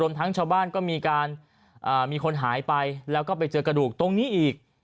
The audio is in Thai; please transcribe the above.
ทั้งชาวบ้านก็มีการมีคนหายไปแล้วก็ไปเจอกระดูกตรงนี้อีก